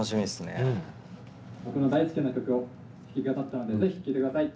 「僕の大好きな曲を弾き語ったのでぜひ聴いてください」。